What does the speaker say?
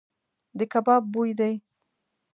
د کباب بوی دی .